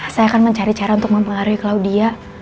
saya akan mencari cara untuk mempengaruhi claudia